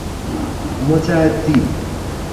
متعدی